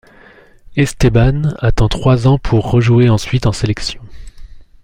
Esteban attend trois ans pour rejouer ensuite en sélection.